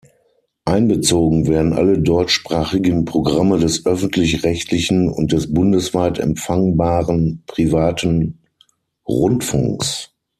Einbezogen werden alle deutschsprachigen Programme des öffentlich-rechtlichen und des bundesweit empfangbaren privaten Rundfunks.